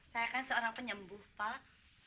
saya kan seorang penyembuh pak